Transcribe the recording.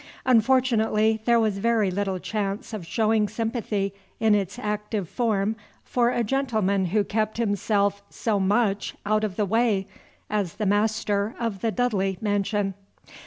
Unfortunately, there was very little chance of showing sympathy in its active form for a gentleman who kept himself so much out of the way as the master of the Dudley Mansion.